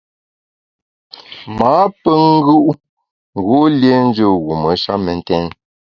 M’â pe ngù u ngu lienjù wume sha mentèn.